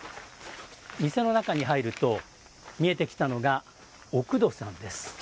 店の中に入ると見えてきたのがおくどさんです。